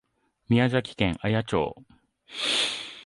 宮崎県綾町